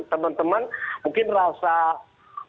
teman teman mungkin rasa semangat